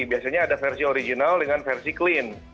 biasanya ada versi original dengan versi clean